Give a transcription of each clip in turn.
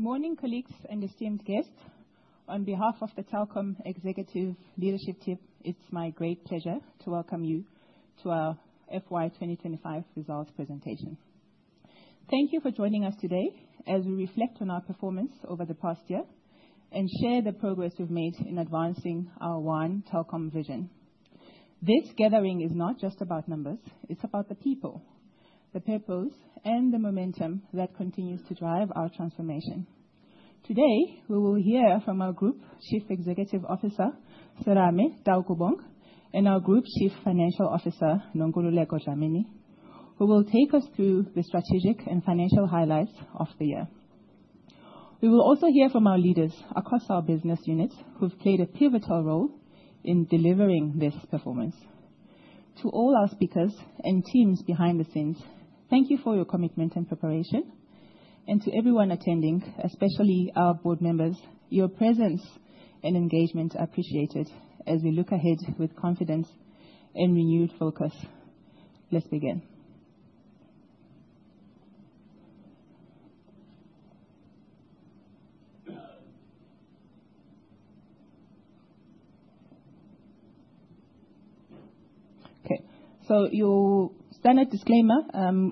Good morning, colleagues and esteemed guests. On behalf of the Telkom Executive Leadership Team, it's my great pleasure to welcome you to our FY 2025 Results Presentation. Thank you for joining us today as we reflect on our performance over the past year and share the progress we've made in advancing our One Telkom vision. This gathering is not just about numbers. It's about the people, the purpose, and the momentum that continues to drive our transformation. Today, we will hear from our Group Chief Executive Officer, Serame Taukobong, and our Group Chief Financial Officer, Nonkululeko Dlamini, who will take us through the strategic and financial highlights of the year. We will also hear from our leaders across our business units who've played a pivotal role in delivering this performance. To all our speakers and teams behind the scenes, thank you for your commitment and preparation. To everyone attending, especially our board members, your presence and engagement are appreciated as we look ahead with confidence and renewed focus. Let's begin. Okay, your standard disclaimer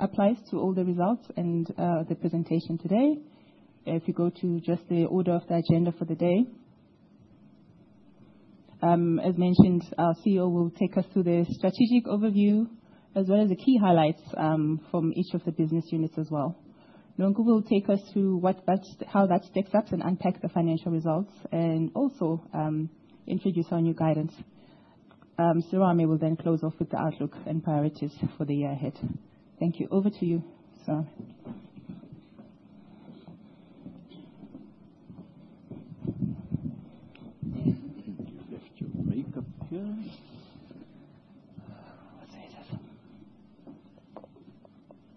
applies to all the results and the presentation today. If you go to just the order of the agenda for the day, as mentioned, our CEO will take us through the strategic overview as well as the key highlights from each of the business units as well. Nonkul will take us through how that stacks up and unpack the financial results and also introduce our new guidance. Serame will then close off with the outlook and priorities for the year ahead. Thank you. Over to you, Sir.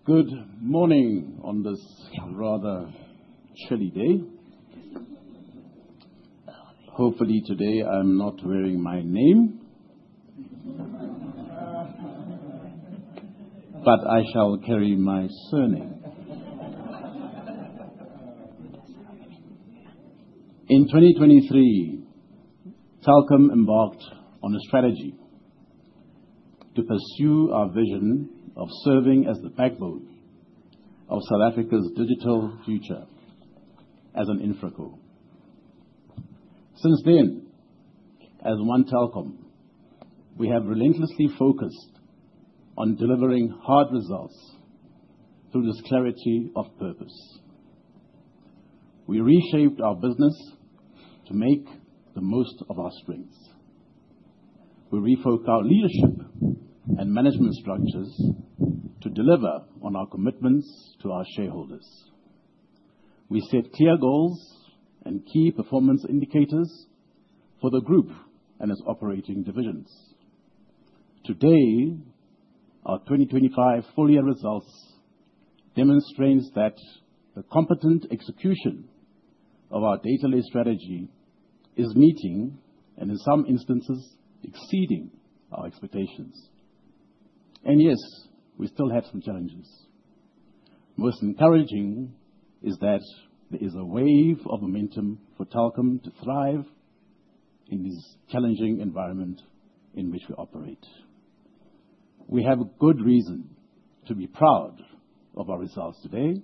Good morning on this rather chilly day. Hopefully, today I'm not wearing my name, but I shall carry my surname. In 2023, Telkom embarked on a strategy to pursue our vision of serving as the backbone of South Africa's digital future as an Infracore. Since then, as One Telkom, we have relentlessly focused on delivering hard results through the clarity of purpose. We reshaped our business to make the most of our strengths. We refocused our leadership and management structures to deliver on our commitments to our shareholders. We set clear goals and key performance indicators for the group and its operating divisions. Today, our 2025 full-year results demonstrate that the competent execution of our data-led strategy is meeting and, in some instances, exceeding our expectations. Yes, we still had some challenges. Most encouraging is that there is a wave of momentum for Telkom to thrive in this challenging environment in which we operate. We have good reason to be proud of our results today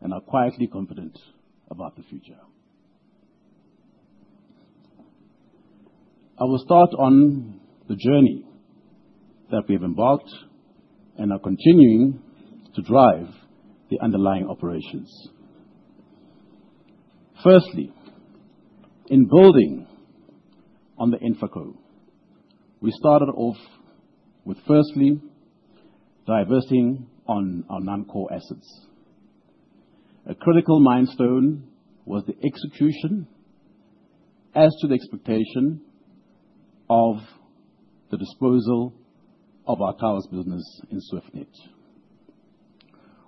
and are quietly confident about the future. I will start on the journey that we have embarked and are continuing to drive the underlying operations. Firstly, in building on the Infracore, we started off with, firstly, divesting on our non-core assets. A critical milestone was the execution as to the expectation of the disposal of our power business in Swiftnet.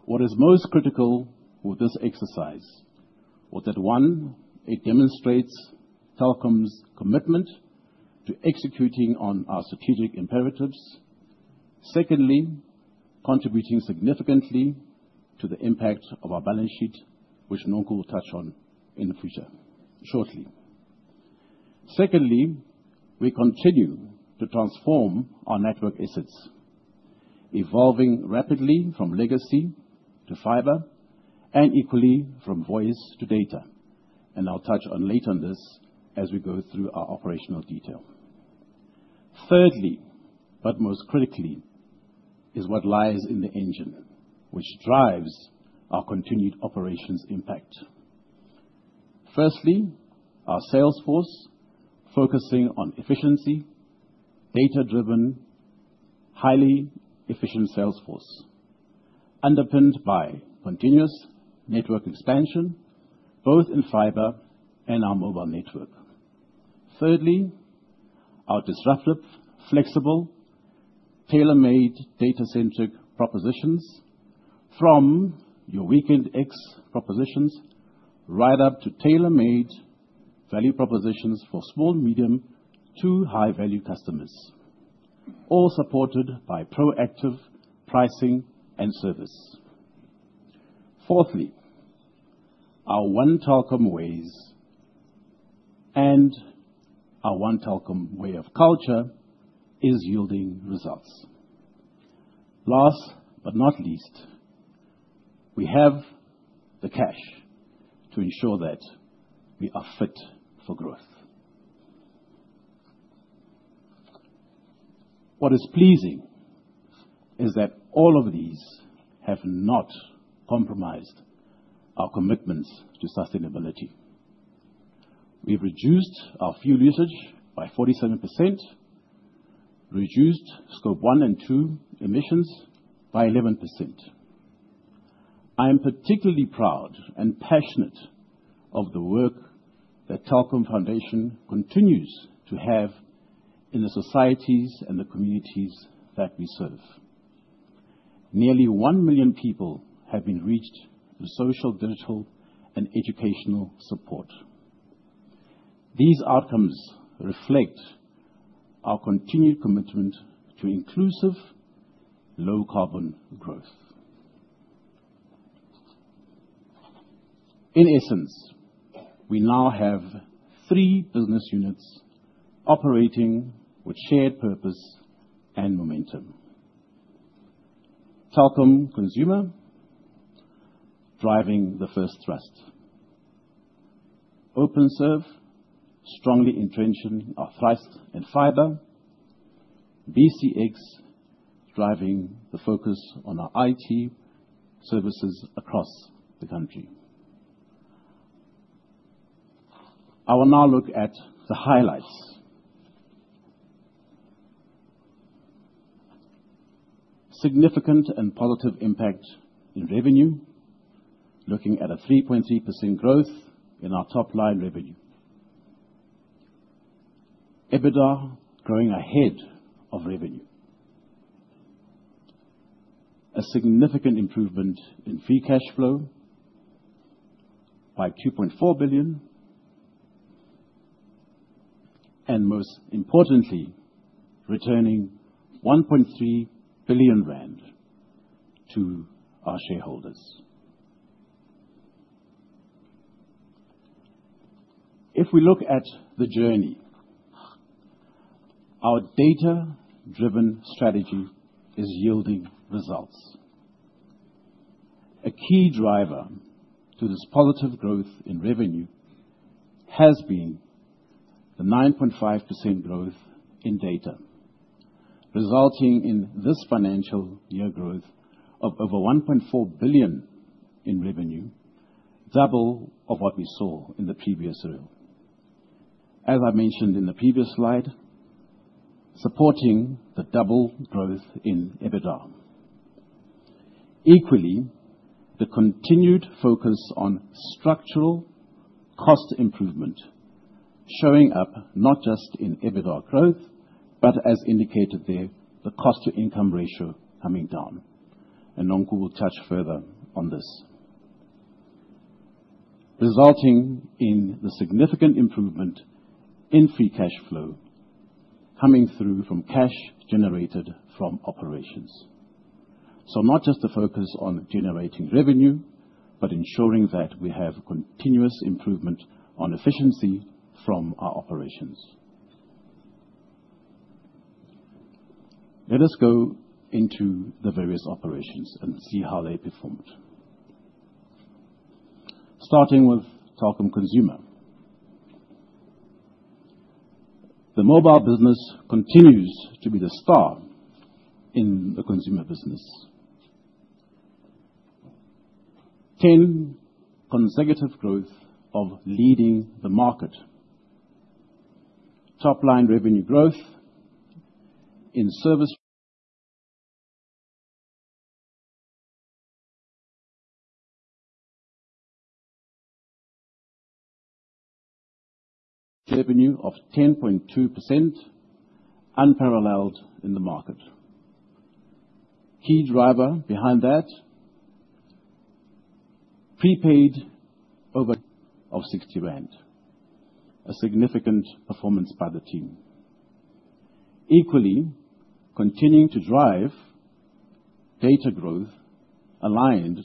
What is most critical with this exercise was that, one, it demonstrates Telkom's commitment to executing on our strategic imperatives. Secondly, contributing significantly to the impact of our balance sheet, which Nonkul will touch on in the future shortly. Secondly, we continue to transform our network assets, evolving rapidly from legacy to fiber and equally from voice to data. I will touch on this later as we go through our operational detail. Thirdly, but most critically, is what lies in the engine which drives our continued operations impact. Firstly, our sales force focusing on efficiency, data-driven, highly efficient sales force underpinned by continuous network expansion, both in fiber and our mobile network. Thirdly, our disruptive, flexible, tailor-made data-centric propositions from your weekend X propositions right up to tailor-made value propositions for small, medium to high-value customers, all supported by proactive pricing and service. Fourthly, our One Telkom ways and our One Telkom way of culture is yielding results. Last but not least, we have the cash to ensure that we are fit for growth. What is pleasing is that all of these have not compromised our commitments to sustainability. We've reduced our fuel usage by 47%, reduced scope one and two emissions by 11%. I am particularly proud and passionate of the work that Telkom Foundation continues to have in the societies and the communities that we serve. Nearly one million people have been reached through social, digital, and educational support. These outcomes reflect our continued commitment to inclusive, low-carbon growth. In essence, we now have three business units operating with shared purpose and momentum. Telkom Consumer, driving the first thrust. OpenServe, strongly entrenched in our thrust and fiber. BCX, driving the focus on our IT services across the country. I will now look at the highlights. Significant and positive impact in revenue, looking at a 3.3% growth in our top-line revenue. EBITDA growing ahead of revenue. A significant improvement in free cash flow by ZAR 2.4 billion. Most importantly, returning 1.3 billion rand to our shareholders. If we look at the journey, our data-driven strategy is yielding results. A key driver to this positive growth in revenue has been the 9.5% growth in data, resulting in this financial year growth of over 1.4 billion in revenue, double of what we saw in the previous year. As I mentioned in the previous slide, supporting the double growth in EBITDA. Equally, the continued focus on structural cost improvement showing up not just in EBITDA growth, but as indicated there, the cost-to-income ratio coming down. Nonkul will touch further on this, resulting in the significant improvement in free cash flow coming through from cash generated from operations. Not just the focus on generating revenue, but ensuring that we have continuous improvement on efficiency from our operations. Let us go into the various operations and see how they performed. Starting with Telkom Consumer, the mobile business continues to be the star in the consumer business. Ten consecutive growth of leading the market. Top-line revenue growth in service revenue of 10.2%, unparalleled in the market. Key driver behind that, prepaid over 60 rand. A significant performance by the team. Equally, continuing to drive data growth aligned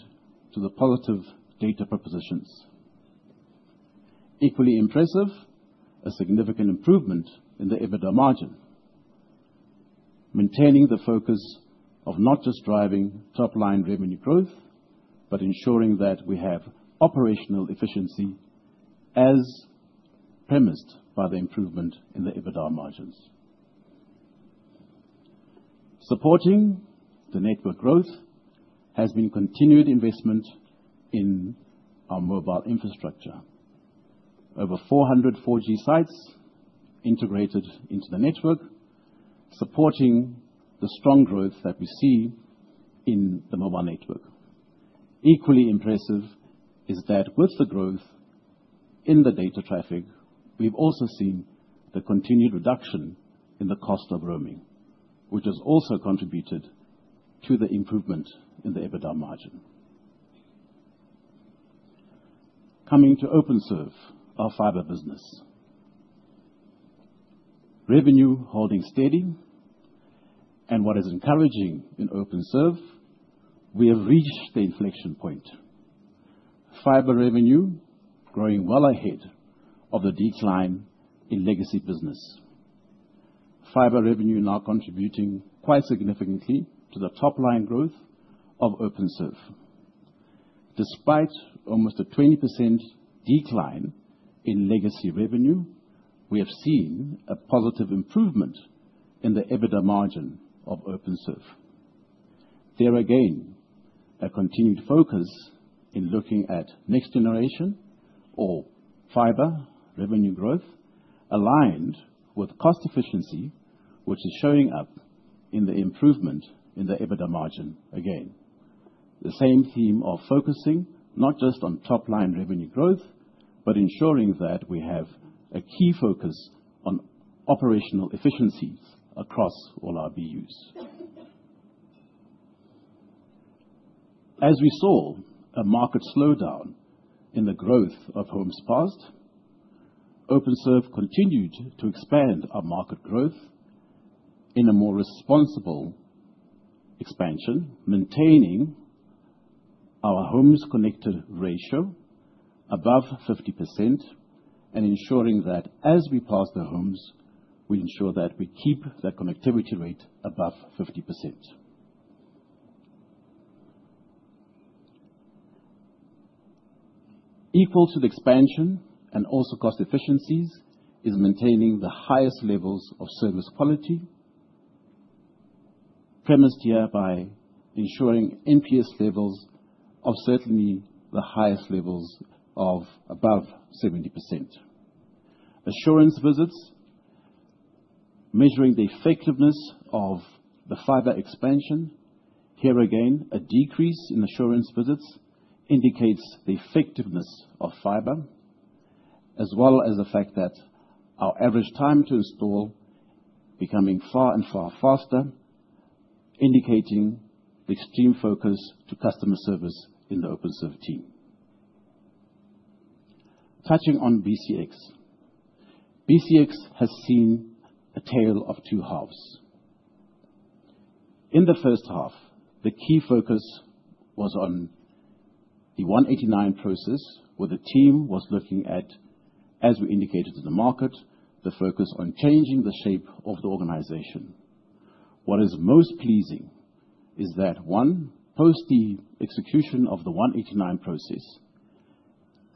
to the positive data propositions. Equally impressive, a significant improvement in the EBITDA margin. Maintaining the focus of not just driving top-line revenue growth, but ensuring that we have operational efficiency as premised by the improvement in the EBITDA margins. Supporting the network growth has been continued investment in our mobile infrastructure. Over 400 4G sites integrated into the network, supporting the strong growth that we see in the mobile network. Equally impressive is that with the growth in the data traffic, we've also seen the continued reduction in the cost of roaming, which has also contributed to the improvement in the EBITDA margin. Coming to OpenServe, our fiber business. Revenue holding steady. What is encouraging in OpenServe, we have reached the inflection point. Fiber revenue growing well ahead of the decline in legacy business. Fiber revenue now contributing quite significantly to the top-line growth of OpenServe. Despite almost a 20% decline in legacy revenue, we have seen a positive improvement in the EBITDA margin of OpenServe. There again, a continued focus in looking at next generation or fiber revenue growth aligned with cost efficiency, which is showing up in the improvement in the EBITDA margin again. The same theme of focusing not just on top-line revenue growth, but ensuring that we have a key focus on operational efficiencies across all our BUs. As we saw a market slowdown in the growth of homes passed, OpenServe continued to expand our market growth in a more responsible expansion, maintaining our homes connected ratio above 50% and ensuring that as we pass the homes, we ensure that we keep that connectivity rate above 50%. Equal to the expansion and also cost efficiencies is maintaining the highest levels of service quality. Premised here by ensuring NPS levels of certainly the highest levels of above 70%. Assurance visits, measuring the effectiveness of the fiber expansion. Here again, a decrease in assurance visits indicates the effectiveness of fiber, as well as the fact that our average time to install is becoming far and far faster, indicating the extreme focus to customer service in the OpenServe team. Touching on BCX, BCX has seen a tale of two halves. In the first half, the key focus was on the 189 process, where the team was looking at, as we indicated in the market, the focus on changing the shape of the organization. What is most pleasing is that, one, post the execution of the 189 process,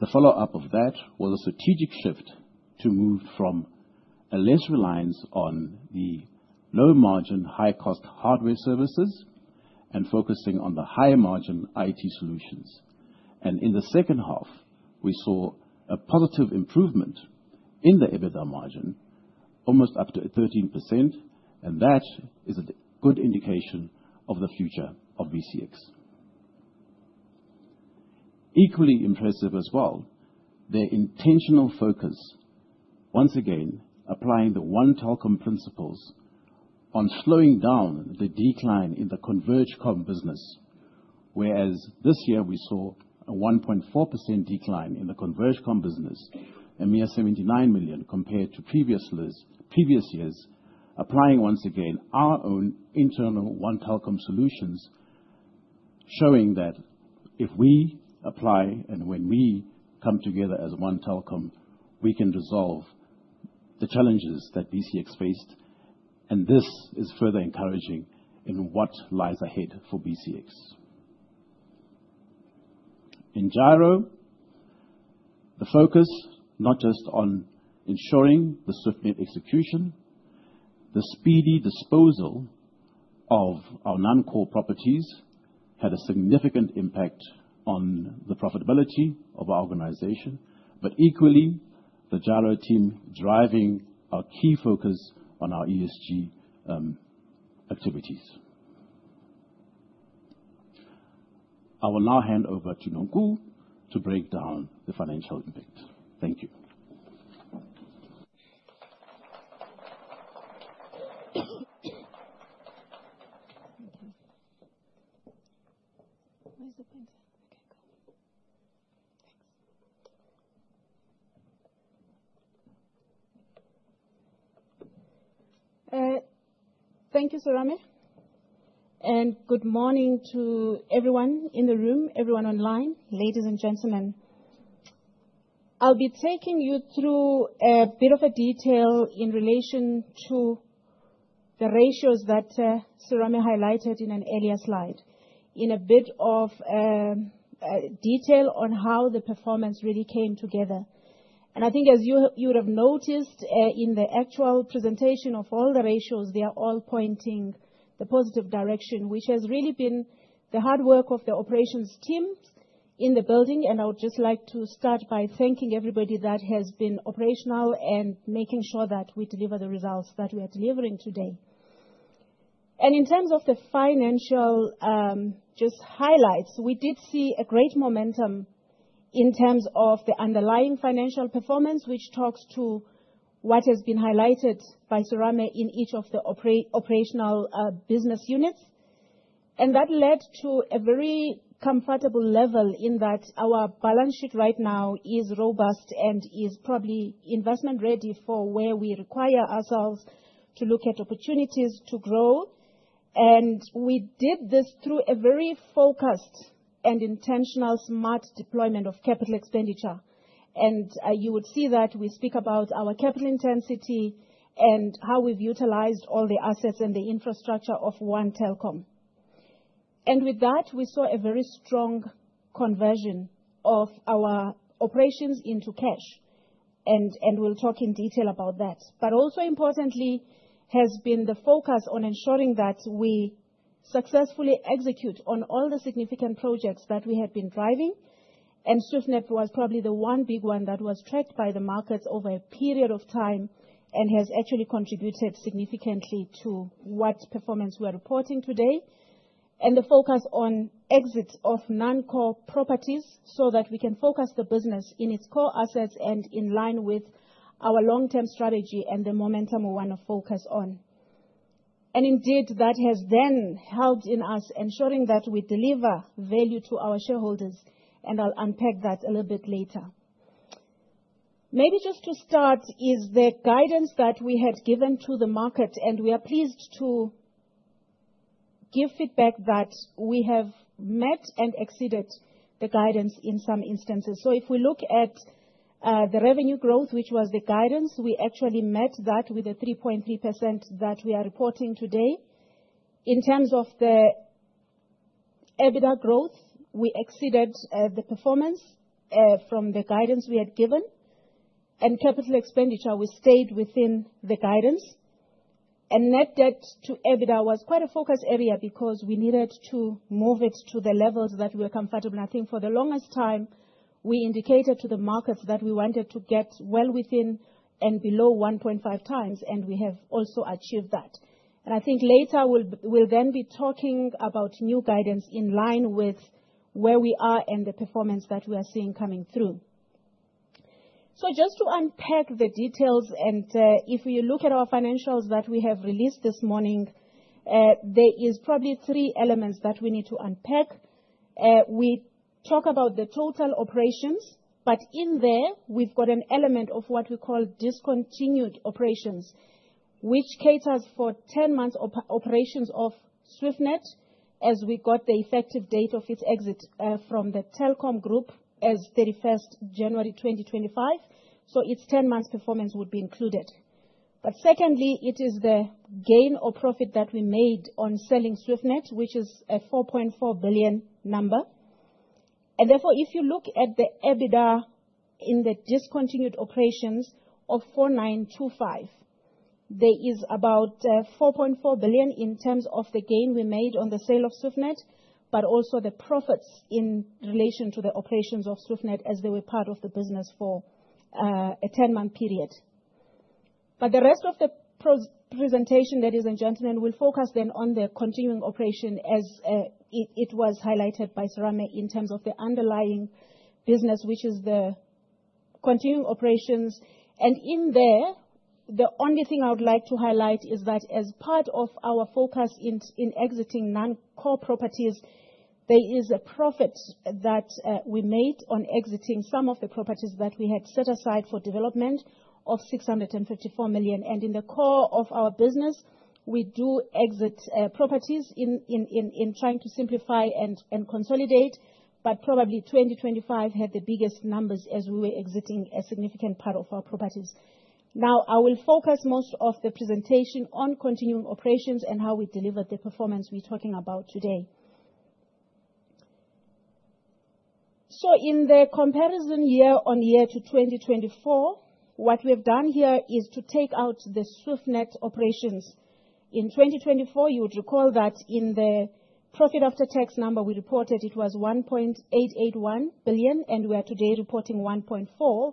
the follow-up of that was a strategic shift to move from a less reliance on the low-margin, high-cost hardware services and focusing on the high-margin IT solutions. In the second half, we saw a positive improvement in the EBITDA margin, almost up to 13%, and that is a good indication of the future of BCX. Equally impressive as well, their intentional focus, once again, applying the One Telkom principles on slowing down the decline in the converged com business, whereas this year we saw a 1.4% decline in the converged com business, a mere 79 million compared to previous years, applying once again our own internal One Telkom solutions, showing that if we apply and when we come together as One Telkom, we can resolve the challenges that BCX faced. This is further encouraging in what lies ahead for BCX. In Gyro, the focus not just on ensuring the Swiftnet execution, the speedy disposal of our non-core properties had a significant impact on the profitability of our organization, but equally, the Gyro team driving our key focus on our ESG activities. I will now hand over to Nonkul to break down the financial impact. Thank you. Thank you, Serame. Good morning to everyone in the room, everyone online, ladies and gentlemen. I'll be taking you through a bit of a detail in relation to the ratios that Serame highlighted in an earlier slide, in a bit of detail on how the performance really came together. I think as you would have noticed in the actual presentation of all the ratios, they are all pointing the positive direction, which has really been the hard work of the operations team in the building. I would just like to start by thanking everybody that has been operational and making sure that we deliver the results that we are delivering today. In terms of the financial just highlights, we did see a great momentum in terms of the underlying financial performance, which talks to what has been highlighted by Serame in each of the operational business units. That led to a very comfortable level in that our balance sheet right now is robust and is probably investment-ready for where we require ourselves to look at opportunities to grow. We did this through a very focused and intentional smart deployment of capital expenditure. You would see that we speak about our capital intensity and how we've utilized all the assets and the infrastructure of One Telkom. With that, we saw a very strong conversion of our operations into cash. We'll talk in detail about that. Also importantly, there has been the focus on ensuring that we successfully execute on all the significant projects that we had been driving. Swiftnet was probably the one big one that was tracked by the markets over a period of time and has actually contributed significantly to what performance we are reporting today. The focus on exit of non-core properties is so that we can focus the business in its core assets and in line with our long-term strategy and the momentum we want to focus on. Indeed, that has then helped in us ensuring that we deliver value to our shareholders. I'll unpack that a little bit later. Maybe just to start is the guidance that we had given to the market. We are pleased to give feedback that we have met and exceeded the guidance in some instances. If we look at the revenue growth, which was the guidance, we actually met that with the 3.3% that we are reporting today. In terms of the EBITDA growth, we exceeded the performance from the guidance we had given. Capital expenditure, we stayed within the guidance. Net debt to EBITDA was quite a focus area because we needed to move it to the levels that we were comfortable. I think for the longest time, we indicated to the markets that we wanted to get well within and below 1.5x. We have also achieved that. I think later we'll then be talking about new guidance in line with where we are and the performance that we are seeing coming through. Just to unpack the details, and if we look at our financials that we have released this morning, there are probably three elements that we need to unpack. We talk about the total operations, but in there, we've got an element of what we call discontinued operations, which caters for 10 months of operations of Swiftnet as we got the effective date of its exit from the Telkom Group as 31 January 2025. Its 10 months performance would be included. Secondly, it is the gain or profit that we made on selling Swiftnet, which is a 4.4 billion number. Therefore, if you look at the EBITDA in the discontinued operations of 4.925 billion, there is about 4.4 billion in terms of the gain we made on the sale of Swiftnet, but also the profits in relation to the operations of Swiftnet as they were part of the business for a 10-month period. The rest of the presentation, ladies and gentlemen, will focus then on the continuing operation as it was highlighted by Serame in terms of the underlying business, which is the continuing operations. In there, the only thing I would like to highlight is that as part of our focus in exiting non-core properties, there is a profit that we made on exiting some of the properties that we had set aside for development of 654 million. In the core of our business, we do exit properties in trying to simplify and consolidate, but probably 2025 had the biggest numbers as we were exiting a significant part of our properties. I will focus most of the presentation on continuing operations and how we deliver the performance we are talking about today. In the comparison year on year to 2024, what we have done here is to take out the Swiftnet operations. In 2024, you would recall that in the profit after tax number we reported, it was 1.881 billion, and we are today reporting 1.454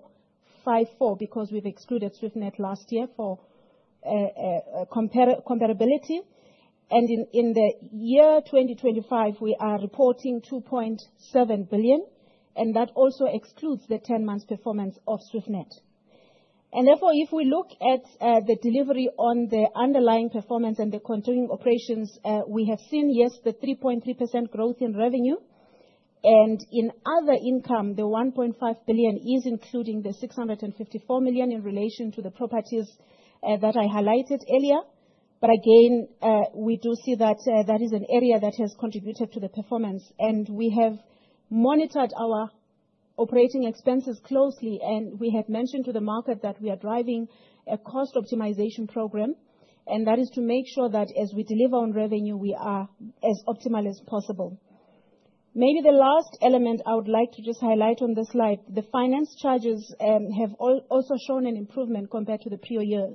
billion because we have excluded Swiftnet last year for comparability. In the year 2025, we are reporting 2.7 billion, and that also excludes the 10-month performance of Swiftnet. Therefore, if we look at the delivery on the underlying performance and the continuing operations, we have seen, yes, the 3.3% growth in revenue. In other income, the 1.5 billion is including the 654 million in relation to the properties that I highlighted earlier. Again, we do see that that is an area that has contributed to the performance. We have monitored our operating expenses closely, and we have mentioned to the market that we are driving a cost optimization program, and that is to make sure that as we deliver on revenue, we are as optimal as possible. Maybe the last element I would like to just highlight on this slide, the finance charges have also shown an improvement compared to the previous year.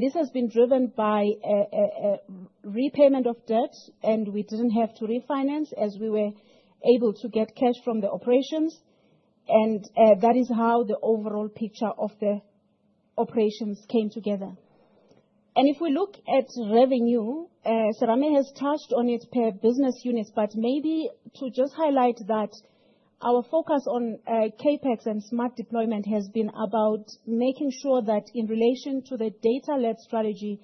This has been driven by repayment of debt, and we did not have to refinance as we were able to get cash from the operations. That is how the overall picture of the operations came together. If we look at revenue, Serame has touched on it per business units, but maybe to just highlight that our focus on CAPEX and smart deployment has been about making sure that in relation to the data-led strategy,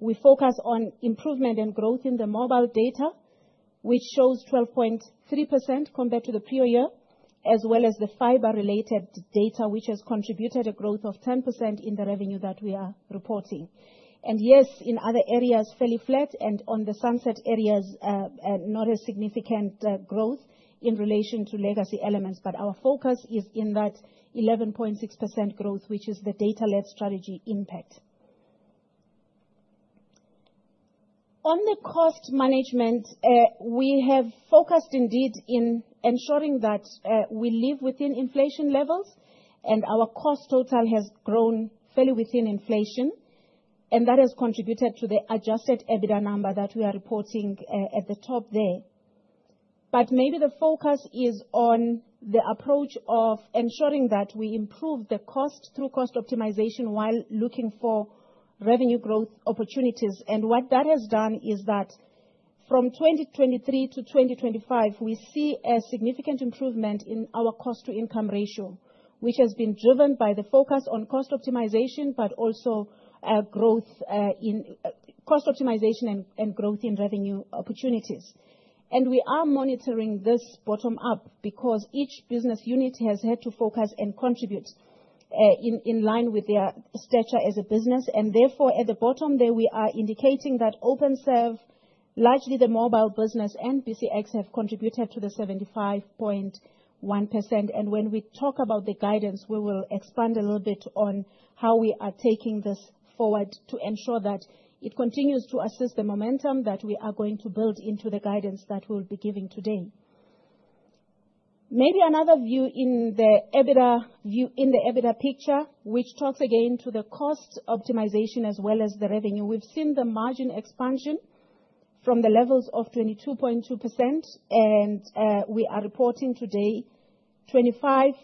we focus on improvement and growth in the mobile data, which shows 12.3% compared to the previous year, as well as the fibre-related data, which has contributed a growth of 10% in the revenue that we are reporting. Yes, in other areas, fairly flat, and on the sunset areas, not a significant growth in relation to legacy elements, but our focus is in that 11.6% growth, which is the data-led strategy impact. On the cost management, we have focused indeed in ensuring that we live within inflation levels, and our cost total has grown fairly within inflation, and that has contributed to the adjusted EBITDA number that we are reporting at the top there. Maybe the focus is on the approach of ensuring that we improve the cost through cost optimization while looking for revenue growth opportunities. What that has done is that from 2023 to 2025, we see a significant improvement in our cost-to-income ratio, which has been driven by the focus on cost optimization, but also growth in cost optimization and growth in revenue opportunities. We are monitoring this bottom-up because each business unit has had to focus and contribute in line with their stature as a business. Therefore, at the bottom there, we are indicating that OpenServe, largely the mobile business, and BCX have contributed to the 75.1%. When we talk about the guidance, we will expand a little bit on how we are taking this forward to ensure that it continues to assist the momentum that we are going to build into the guidance that we'll be giving today. Maybe another view in the EBITDA picture, which talks again to the cost optimization as well as the revenue. We've seen the margin expansion from the levels of 22.2%, and we are reporting today 25.1%.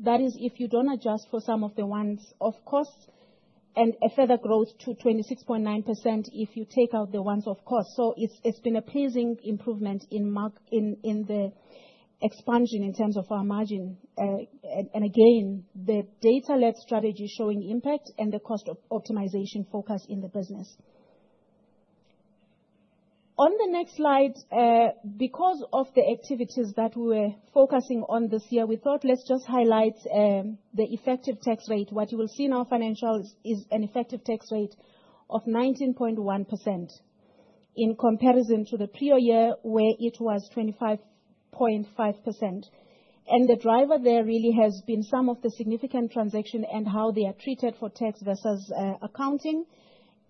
That is if you do not adjust for some of the once-off costs, and a further growth to 26.9% if you take out the once-off costs. It's been a pleasing improvement in the expansion in terms of our margin. Again, the data-led strategy showing impact and the cost optimization focus in the business. On the next slide, because of the activities that we were focusing on this year, we thought let's just highlight the effective tax rate. What you will see in our financials is an effective tax rate of 19.1% in comparison to the previous year where it was 25.5%. The driver there really has been some of the significant transactions and how they are treated for tax versus accounting,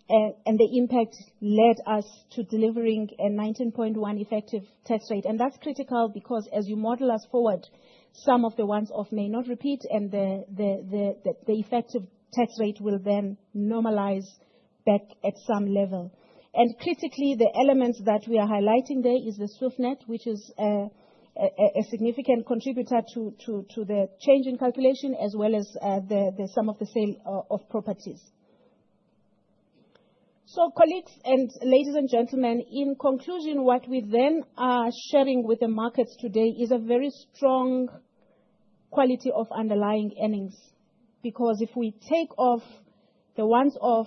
and the impact led us to delivering a 19.1% effective tax rate. That is critical because as you model us forward, some of the ones off may not repeat, and the effective tax rate will then normalize back at some level. Critically, the elements that we are highlighting there are the Swiftnet, which is a significant contributor to the change in calculation, as well as the sum of the sale of properties. Colleagues and ladies and gentlemen, in conclusion, what we then are sharing with the markets today is a very strong quality of underlying earnings. Because if we take off the once off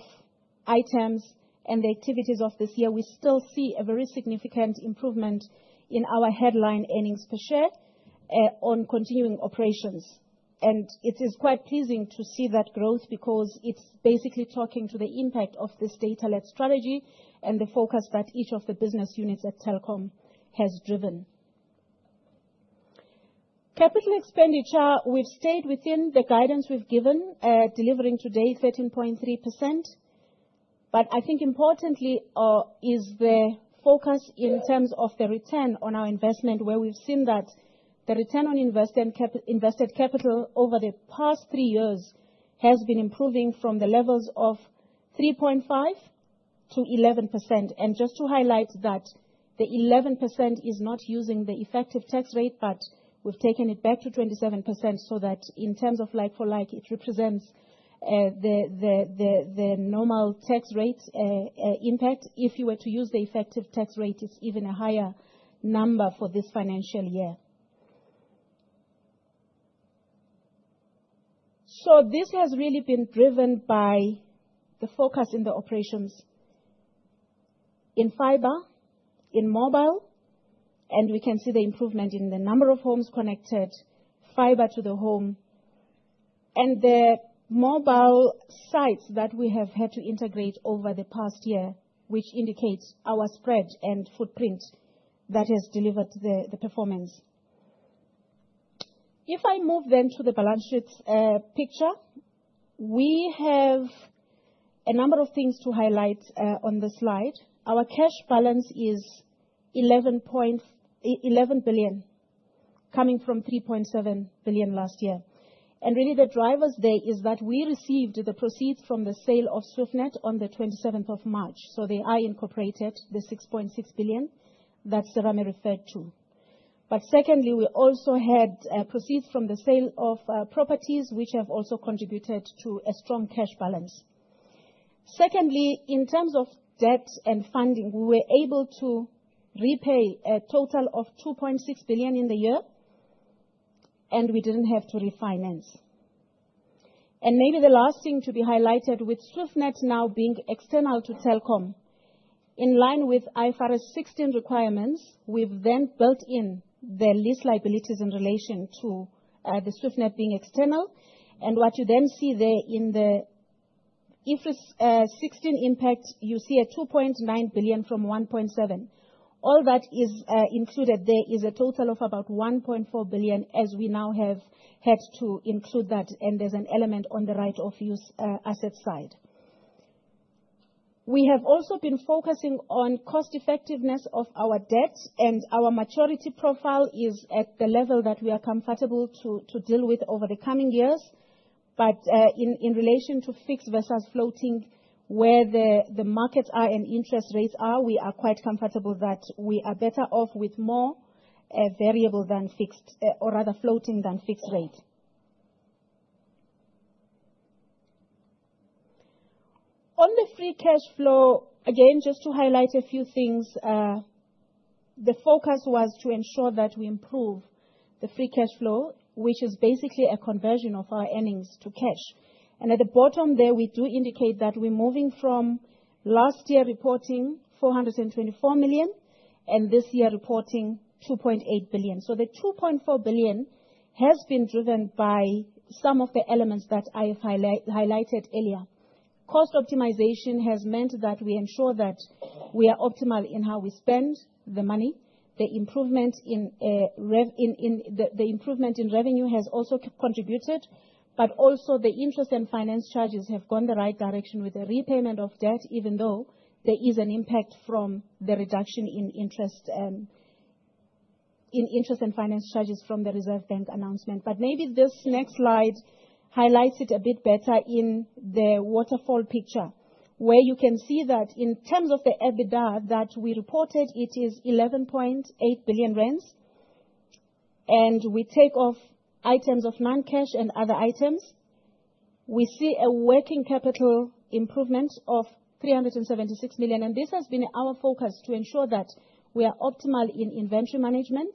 items and the activities of this year, we still see a very significant improvement in our headline earnings per share on continuing operations. It is quite pleasing to see that growth because it is basically talking to the impact of this data-led strategy and the focus that each of the business units at Telkom has driven. Capital expenditure, we have stayed within the guidance we have given, delivering today 13.3%. I think importantly is the focus in terms of the return on our investment, where we've seen that the return on invested capital over the past three years has been improving from the levels of 3.5% to 11%. Just to highlight that the 11% is not using the effective tax rate, but we've taken it back to 27% so that in terms of like-for-like, it represents the normal tax rate impact. If you were to use the effective tax rate, it's even a higher number for this financial year. This has really been driven by the focus in the operations in fiber, in mobile, and we can see the improvement in the number of homes connected fiber to the home. The mobile sites that we have had to integrate over the past year indicate our spread and footprint that has delivered the performance. If I move then to the balance sheet picture, we have a number of things to highlight on the slide. Our cash balance is 11 billion, coming from 3.7 billion last year. Really, the drivers there are that we received the proceeds from the sale of Swiftnet on the 27th of March. They are incorporated, the 6.6 billion that Serame referred to. Secondly, we also had proceeds from the sale of properties, which have also contributed to a strong cash balance. Secondly, in terms of debt and funding, we were able to repay a total of 2.6 billion in the year, and we did not have to refinance. Maybe the last thing to be highlighted, with Swiftnet now being external to Telkom, in line with IFRS 16 requirements, we have then built in the lease liabilities in relation to the Swiftnet being external. What you then see there in the IFRS 16 impact, you see 2.9 billion from 1.7 billion. All that is included there is a total of about 1.4 billion as we now have had to include that, and there is an element on the right of use asset side. We have also been focusing on cost-effectiveness of our debt, and our maturity profile is at the level that we are comfortable to deal with over the coming years. In relation to fixed versus floating, where the markets are and interest rates are, we are quite comfortable that we are better off with more variable than fixed, or rather floating than fixed rate. On the free cash flow, again, just to highlight a few things, the focus was to ensure that we improve the free cash flow, which is basically a conversion of our earnings to cash. At the bottom there, we do indicate that we're moving from last year reporting 424 million and this year reporting 2.8 billion. The 2.4 billion has been driven by some of the elements that I have highlighted earlier. Cost optimization has meant that we ensure that we are optimal in how we spend the money. The improvement in revenue has also contributed, but also the interest and finance charges have gone the right direction with the repayment of debt, even though there is an impact from the reduction in interest and finance charges from the Reserve Bank announcement. Maybe this next slide highlights it a bit better in the waterfall picture, where you can see that in terms of the EBITDA that we reported, it is 11.8 billion rand. We take off items of non-cash and other items. We see a working capital improvement of 376 million. This has been our focus to ensure that we are optimal in inventory management.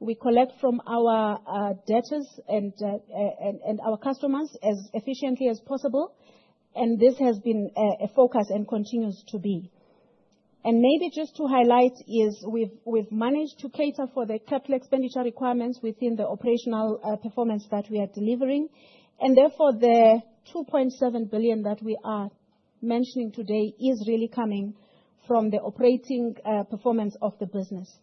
We collect from our debtors and our customers as efficiently as possible, and this has been a focus and continues to be. Maybe just to highlight is we've managed to cater for the capital expenditure requirements within the operational performance that we are delivering. Therefore, the 2.7 billion that we are mentioning today is really coming from the operating performance of the business.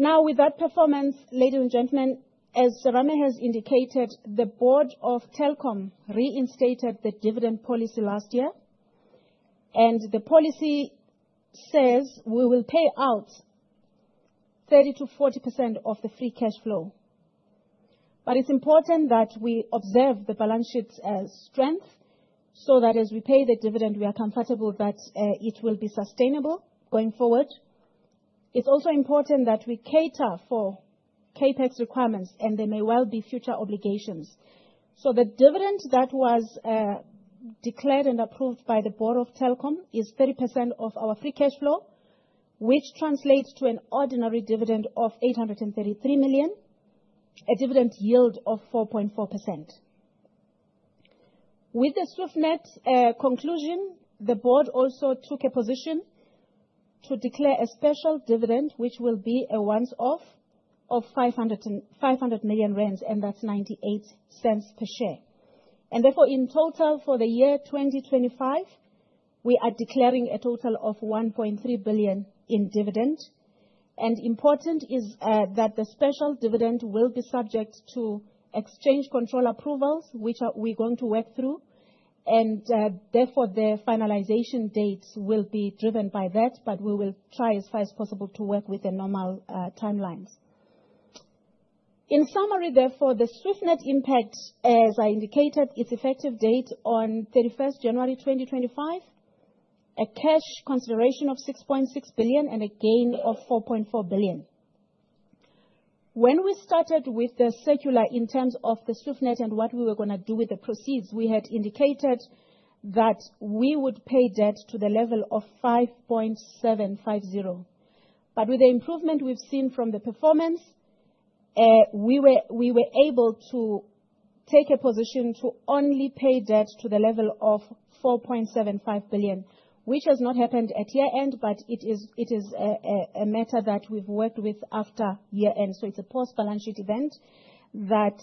Now, with that performance, ladies and gentlemen, as Serame has indicated, the board of Telkom reinstated the dividend policy last year. The policy says we will pay out 30%-40% of the free cash flow. It is important that we observe the balance sheet's strength so that as we pay the dividend, we are comfortable that it will be sustainable going forward. It is also important that we cater for CapEx requirements, and they may well be future obligations. The dividend that was declared and approved by the board of Telkom is 30% of our free cash flow, which translates to an ordinary dividend of 833 million, a dividend yield of 4.4%. With the Swiftnet conclusion, the board also took a position to declare a special dividend, which will be a once-off of 500 million rand, and that is ZAR 0.98 per share. Therefore, in total for the year 2025, we are declaring a total of 1.3 billion in dividend. Important is that the special dividend will be subject to exchange control approvals, which we are going to work through. Therefore, the finalization dates will be driven by that, but we will try as far as possible to work within normal timelines. In summary, therefore, the Swiftnet impact, as I indicated, its effective date on 31 January 2025, a cash consideration of 6.6 billion and a gain of 4.4 billion. When we started with the circular in terms of the Swiftnet and what we were going to do with the proceeds, we had indicated that we would pay debt to the level of 5.750 billion. With the improvement we have seen from the performance, we were able to take a position to only pay debt to the level of 4.75 billion, which has not happened at year-end, but it is a matter that we have worked with after year-end. It is a post-balance sheet event that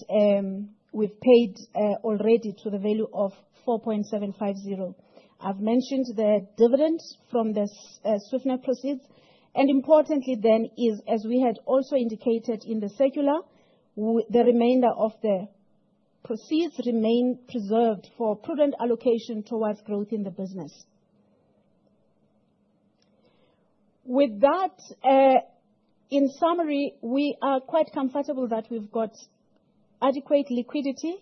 we have paid already to the value of 4.750 billion. I've mentioned the dividends from the Swiftnet proceeds. Importantly then is, as we had also indicated in the circular, the remainder of the proceeds remain preserved for prudent allocation towards growth in the business. With that, in summary, we are quite comfortable that we've got adequate liquidity.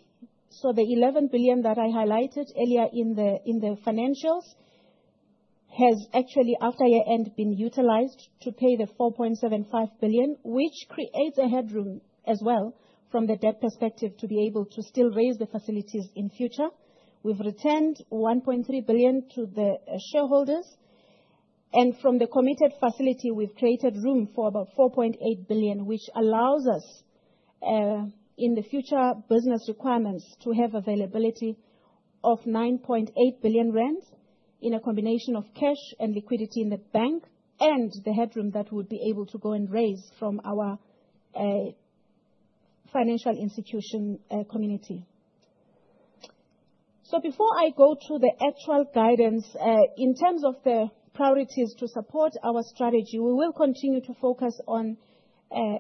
The 11 billion that I highlighted earlier in the financials has actually, after year-end, been utilized to pay the 4.75 billion, which creates a headroom as well from the debt perspective to be able to still raise the facilities in future. We've returned 1.3 billion to the shareholders. From the committed facility, we've created room for about 4.8 billion, which allows us, in the future business requirements, to have availability of 9.8 billion rand in a combination of cash and liquidity in the bank and the headroom that we would be able to go and raise from our financial institution community. Before I go to the actual guidance, in terms of the priorities to support our strategy, we will continue to focus on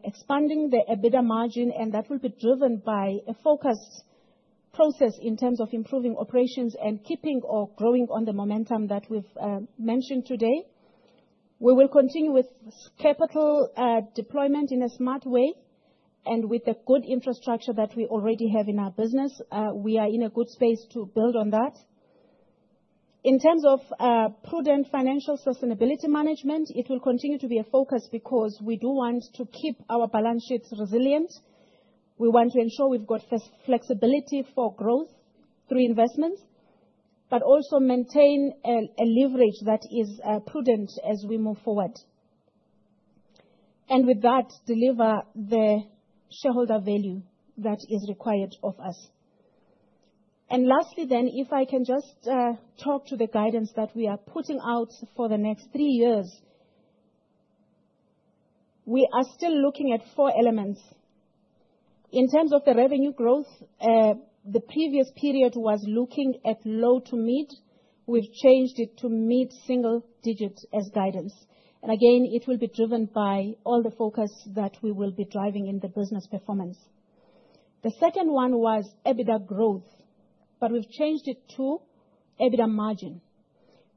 expanding the EBITDA margin, and that will be driven by a focused process in terms of improving operations and keeping or growing on the momentum that we've mentioned today. We will continue with capital deployment in a smart way and with the good infrastructure that we already have in our business. We are in a good space to build on that. In terms of prudent financial sustainability management, it will continue to be a focus because we do want to keep our balance sheets resilient. We want to ensure we've got flexibility for growth through investments, but also maintain a leverage that is prudent as we move forward. With that, deliver the shareholder value that is required of us. Lastly then, if I can just talk to the guidance that we are putting out for the next three years, we are still looking at four elements. In terms of the revenue growth, the previous period was looking at low to mid. We've changed it to mid single digit as guidance. Again, it will be driven by all the focus that we will be driving in the business performance. The second one was EBITDA growth, but we've changed it to EBITDA margin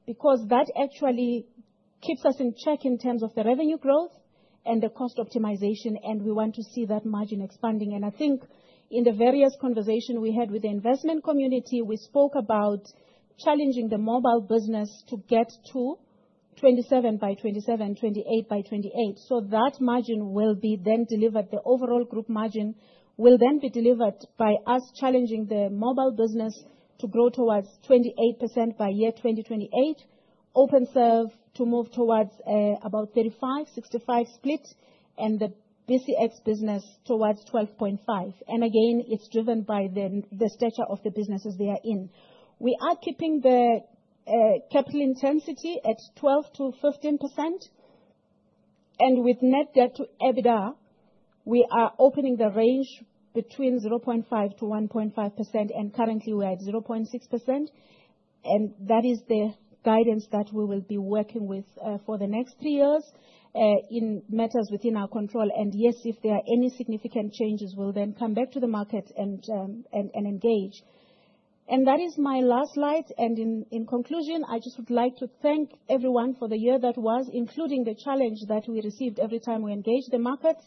because that actually keeps us in check in terms of the revenue growth and the cost optimization, and we want to see that margin expanding. I think in the various conversations we had with the investment community, we spoke about challenging the mobile business to get to 27 by 2027, 28 by 2028. That margin will be then delivered. The overall group margin will then be delivered by us challenging the mobile business to grow towards 28% by year 2028, OpenServe to move towards about 35-65 split, and the BCX business towards 12.5. Again, it's driven by the stature of the businesses they are in. We are keeping the capital intensity at 12-15%. With net debt to EBITDA, we are opening the range between 0.5-1.5%, and currently we are at 0.6%. That is the guidance that we will be working with for the next three years in matters within our control. Yes, if there are any significant changes, we will then come back to the market and engage. That is my last slide. In conclusion, I just would like to thank everyone for the year that was, including the challenge that we received every time we engaged the markets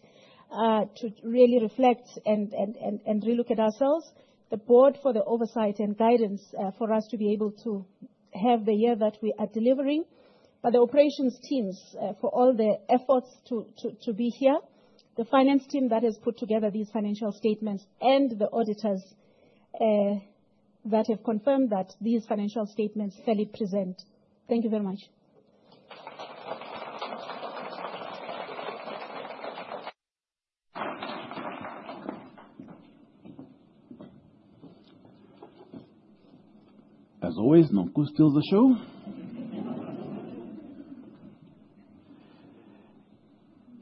to really reflect and relook at ourselves, the board for the oversight and guidance for us to be able to have the year that we are delivering, the operations teams for all the efforts to be here, the finance team that has put together these financial statements, and the auditors that have confirmed that these financial statements fairly present. Thank you very much. As always, Nonkul steals the show.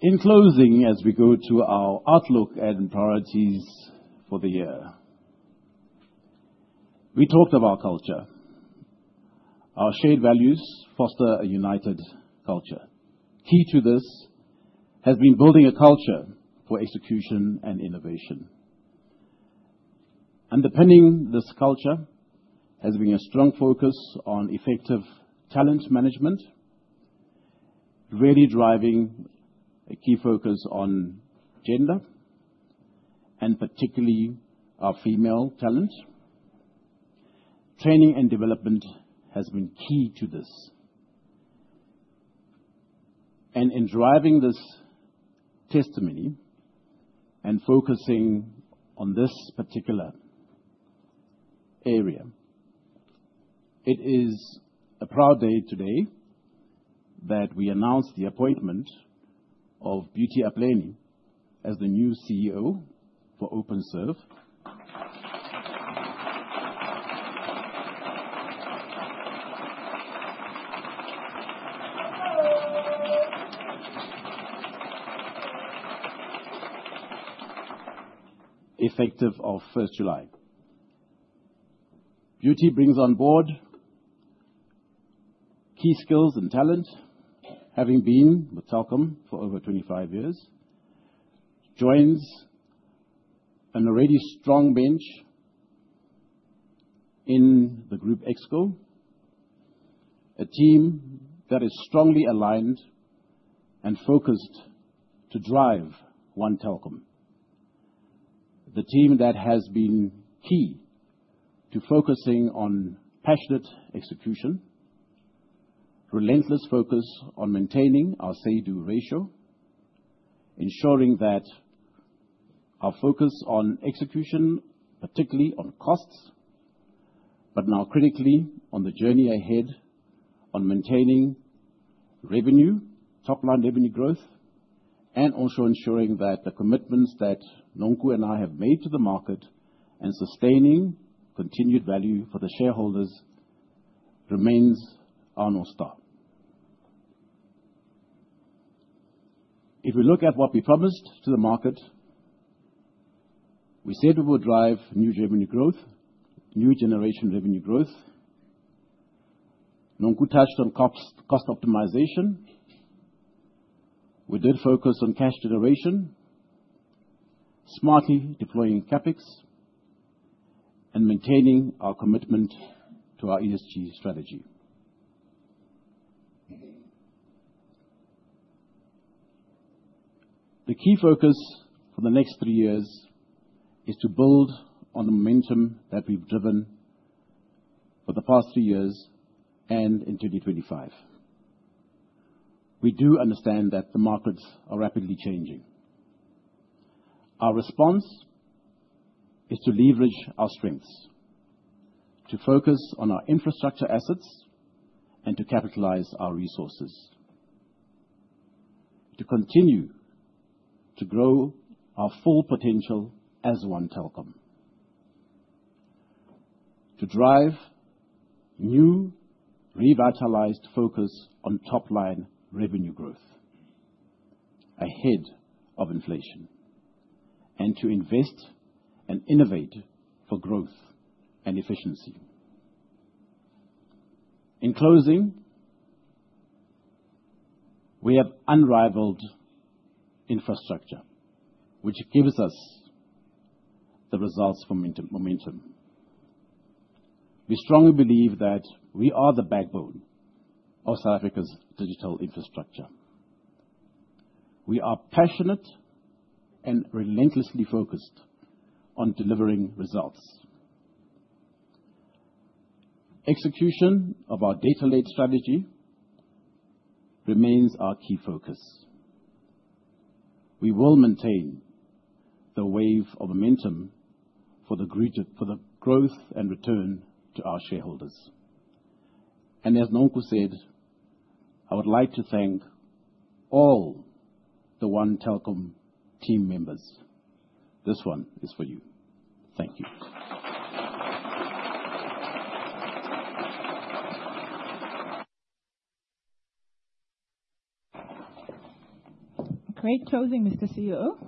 In closing, as we go to our outlook and priorities for the year, we talked about culture. Our shared values foster a united culture. Key to this has been building a culture for execution and innovation. Underpinning this culture has been a strong focus on effective talent management, really driving a key focus on gender and particularly our female talent. Training and development has been key to this. In driving this testimony and focusing on this particular area, it is a proud day today that we announce the appointment of Beauty Aplani as the new CEO for OpenServe. Effective 1 July, Beauty brings on board key skills and talent, having been with Telkom for over 25 years, joins an already strong bench in the group Exco, a team that is strongly aligned and focused to drive One Telkom. The team that has been key to focusing on passionate execution, relentless focus on maintaining our say-do ratio, ensuring that our focus on execution, particularly on costs, but now critically on the journey ahead on maintaining revenue, top-line revenue growth, and also ensuring that the commitments that Nonkul and I have made to the market and sustaining continued value for the shareholders remains our North Star. If we look at what we promised to the market, we said we would drive new revenue growth, new generation revenue growth. Nonkul touched on cost optimization. We did focus on cash generation, smartly deploying CapEx, and maintaining our commitment to our ESG strategy. The key focus for the next three years is to build on the momentum that we've driven for the past three years and in 2025. We do understand that the markets are rapidly changing. Our response is to leverage our strengths, to focus on our infrastructure assets, and to capitalize our resources, to continue to grow our full potential as One Telkom, to drive new revitalized focus on top-line revenue growth ahead of inflation, and to invest and innovate for growth and efficiency. In closing, we have unrivaled infrastructure, which gives us the results from momentum. We strongly believe that we are the backbone of South Africa's digital infrastructure. We are passionate and relentlessly focused on delivering results. Execution of our data-led strategy remains our key focus. We will maintain the wave of momentum for the growth and return to our shareholders. As Nonkul said, I would like to thank all the One Telkom team members. This one is for you. Thank you. Great closing, Mr. CEO.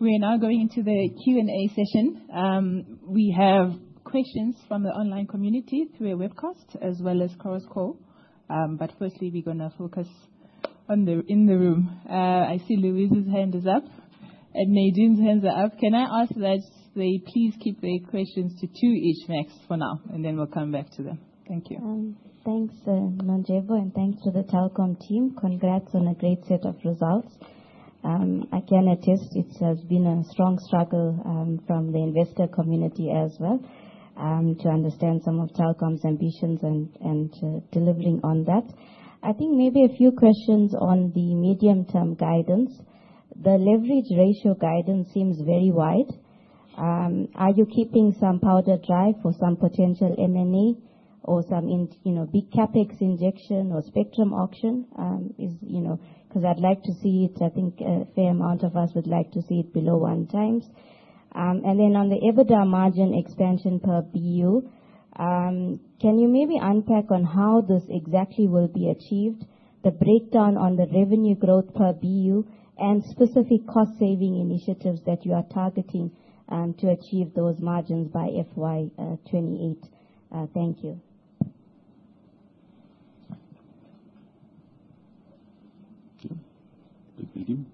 We are now going into the Q&A session. We have questions from the online community through a webcast as well as cross-call. Firstly, we are going to focus on in the room. I see Louise's hand is up and Nadim's hands are up. Can I ask that they please keep their questions to two each max for now, and then we will come back to them? Thank you. Thanks, Nondyebo, and thanks to the Telkom team. Congrats on a great set of results. I can attest it has been a strong struggle from the investor community as well to understand some of Telkom's ambitions and delivering on that. I think maybe a few questions on the medium-term guidance. The leverage ratio guidance seems very wide. Are you keeping some powder dry for some potential M&A or some big CapEx injection or spectrum auction? Because I'd like to see it, I think a fair amount of us would like to see it below one times. And then on the EBITDA margin expansion per BU, can you maybe unpack on how this exactly will be achieved, the breakdown on the revenue growth per BU, and specific cost-saving initiatives that you are targeting to achieve those margins by FY 2028? Thank you.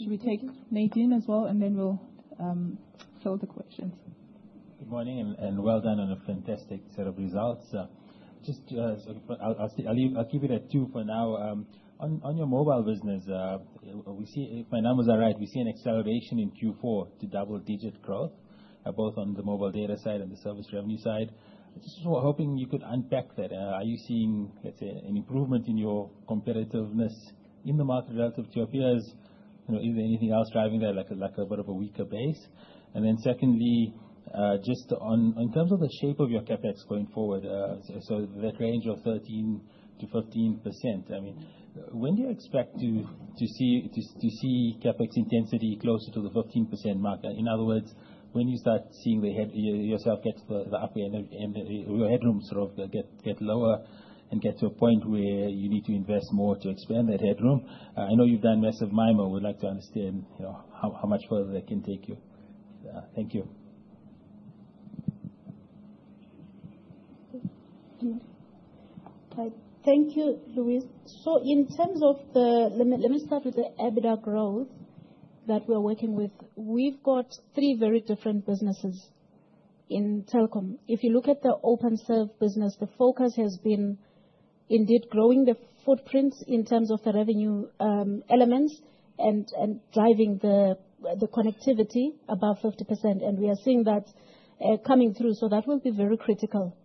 Should we take Nadim as well, and then we'll fill the questions? Good morning and well done on a fantastic set of results. Just I'll keep it at two for now. On your mobile business, if my numbers are right, we see an acceleration in Q4 to double-digit growth, both on the mobile data side and the service revenue side. Just hoping you could unpack that. Are you seeing, let's say, an improvement in your competitiveness in the market relative to your peers? Is there anything else driving that, like a bit of a weaker base? And then secondly, just in terms of the shape of your CapEx going forward, so that range of 13-15%, I mean, when do you expect to see CapEx intensity closer to the 15% mark? In other words, when you start seeing yourself get to the upper end, your headroom sort of get lower and get to a point where you need to invest more to expand that headroom? I know you've done massive MIMO. We'd like to understand how much further that can take you. Thank you. Thank you, Louise. So in terms of the let me start with the EBITDA growth that we're working with. We've got three very different businesses in Telkom. If you look at the OpenServe business, the focus has been indeed growing the footprints in terms of the revenue elements and driving the connectivity above 50%. We are seeing that coming through. That will be very critical.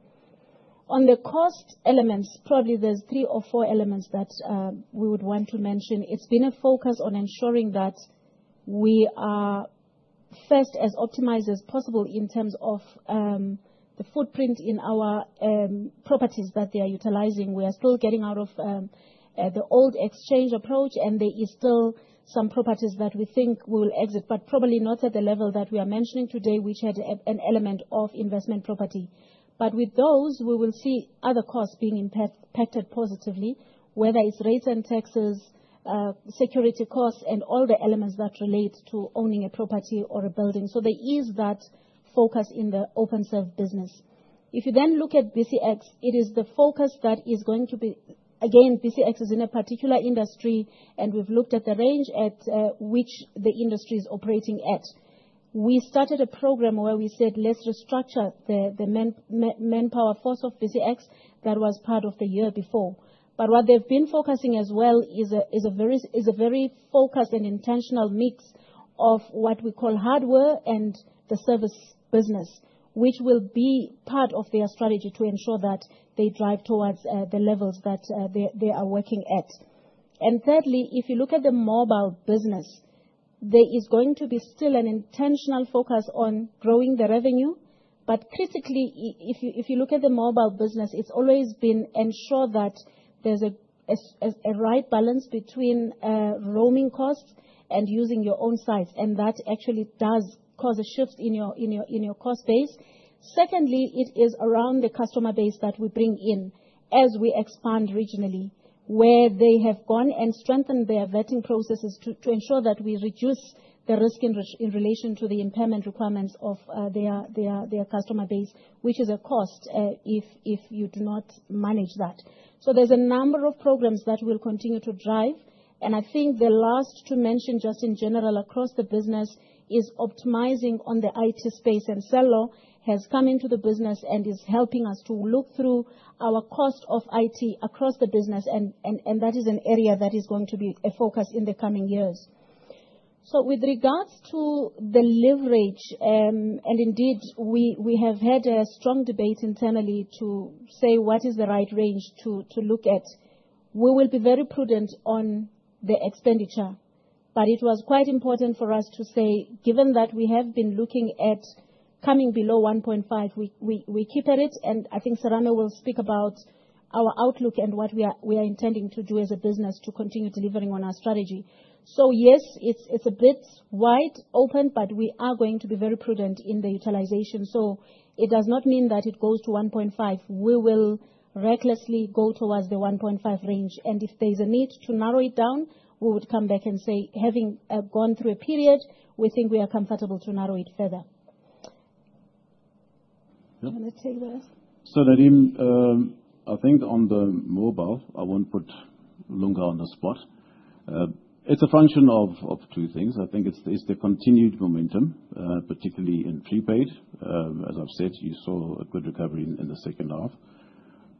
On the cost elements, probably there are three or four elements that we would want to mention. It has been a focus on ensuring that we are first as optimized as possible in terms of the footprint in our properties that they are utilizing. We are still getting out of the old exchange approach, and there are still some properties that we think we will exit, but probably not at the level that we are mentioning today, which had an element of investment property. With those, we will see other costs being impacted positively, whether it's rates and taxes, security costs, and all the elements that relate to owning a property or a building. There is that focus in the OpenServe business. If you then look at BCX, it is the focus that is going to be again, BCX is in a particular industry, and we've looked at the range at which the industry is operating at. We started a program where we said, "Let's restructure the manpower force of BCX," that was part of the year before. What they've been focusing as well is a very focused and intentional mix of what we call hardware and the service business, which will be part of their strategy to ensure that they drive towards the levels that they are working at. Thirdly, if you look at the mobile business, there is going to be still an intentional focus on growing the revenue. Critically, if you look at the mobile business, it's always been ensured that there's a right balance between roaming costs and using your own sites. That actually does cause a shift in your cost base. Secondly, it is around the customer base that we bring in as we expand regionally, where they have gone and strengthened their vetting processes to ensure that we reduce the risk in relation to the impairment requirements of their customer base, which is a cost if you do not manage that. There are a number of programs that will continue to drive. I think the last to mention, just in general across the business, is optimizing on the IT space. Cello has come into the business and is helping us to look through our cost of IT across the business. That is an area that is going to be a focus in the coming years. With regards to the leverage, indeed, we have had a strong debate internally to say what is the right range to look at. We will be very prudent on the expenditure. It was quite important for us to say, given that we have been looking at coming below 1.5, we keep at it. I think Serame will speak about our outlook and what we are intending to do as a business to continue delivering on our strategy. Yes, it is a bit wide, open, but we are going to be very prudent in the utilization. It does not mean that it goes to 1.5. We will recklessly go towards the 1.5 range. If there's a need to narrow it down, we would come back and say, "Having gone through a period, we think we are comfortable to narrow it further." I'm going to take that. Nadine, I think on the mobile, I won't put Longa on the spot. It's a function of two things. I think it's the continued momentum, particularly in prepaid. As I've said, you saw a good recovery in the second half.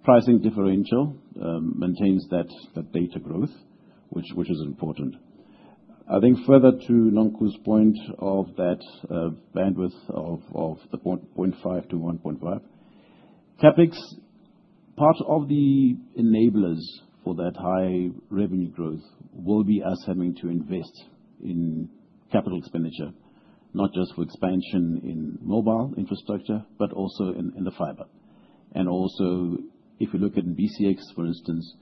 Pricing differential maintains that data growth, which is important. I think further to Nonkul's point of that bandwidth of the 0.5-1.5, CapEx, part of the enablers for that high revenue growth will be us having to invest in capital expenditure, not just for expansion in mobile infrastructure, but also in the fiber. If you look at BCX, for instance,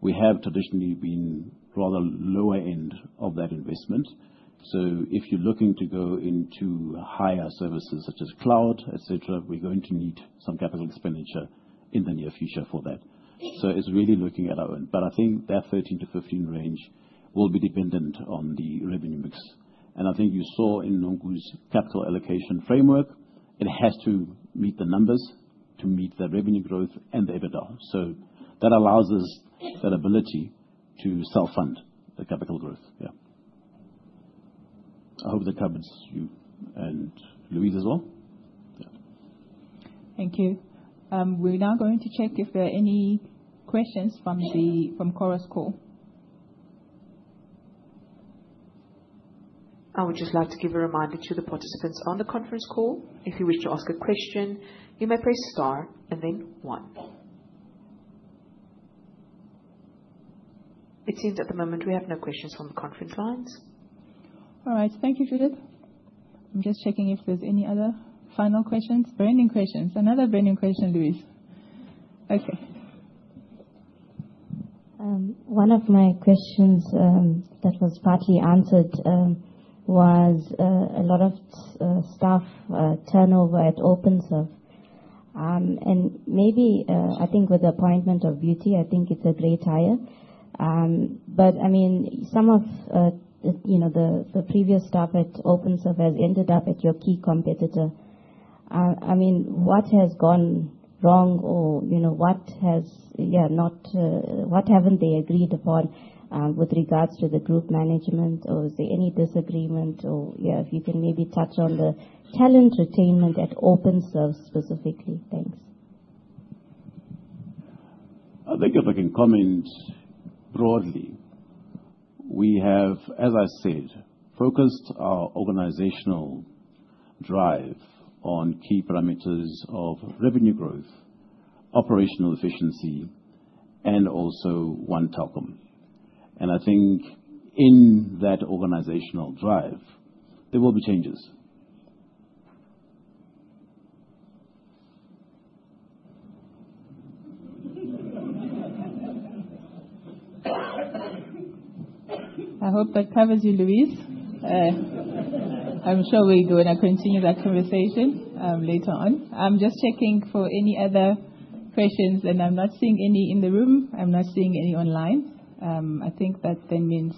we have traditionally been rather lower end of that investment. If you're looking to go into higher services such as cloud, et cetera, we're going to need some capital expenditure in the near future for that. It is really looking at our own. I think that 13-15 range will be dependent on the revenue mix. I think you saw in Nonkul's capital allocation framework, it has to meet the numbers to meet the revenue growth and the EBITDA. That allows us that ability to self-fund the capital growth. I hope that covers you and Louise as well. Thank you. We're now going to check if there are any questions from the core scope. I would just like to give a reminder to the participants on the conference call. If you wish to ask a question, you may press star and then one. It seems at the moment we have no questions from the conference lines. All right. Thank you, Judith. I'm just checking if there's any other final questions. Brand new questions. Another brand new question, Louise. Okay. One of my questions that was partly answered was a lot of staff turnover at OpenServe. And maybe I think with the appointment of Beauty, I think it's a great hire. I mean, some of the previous staff at OpenServe has ended up at your key competitor. I mean, what has gone wrong or what has not what haven't they agreed upon with regards to the group management? Is there any disagreement? Yeah, if you can maybe touch on the talent retainment at OpenServe specifically. Thanks. I think if I can comment broadly, we have, as I said, focused our organizational drive on key parameters of revenue growth, operational efficiency, and also One Telkom. I think in that organizational drive, there will be changes. I hope that covers you, Louise. I'm sure we're going to continue that conversation later on. I'm just checking for any other questions, and I'm not seeing any in the room. I'm not seeing any online. I think that then means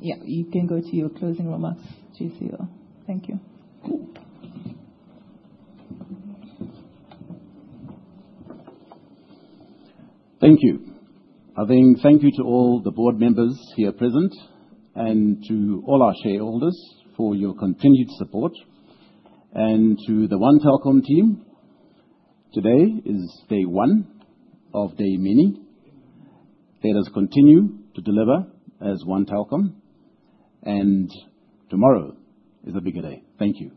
you can go to your closing remarks, GCO. Thank you. Thank you. I think thank you to all the board members here present and to all our shareholders for your continued support and to the One Telkom team. Today is day one of day many. Let us continue to deliver as One Telkom. Tomorrow is a bigger day. Thank you.